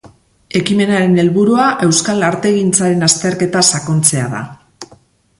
Ekimenaren helburua euskal artegintzaren azterketa sakontzea da.